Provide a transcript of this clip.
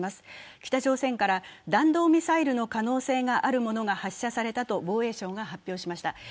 北朝鮮から弾道ミサイルの可能性があるものが発射されたと防衛省が発表しました。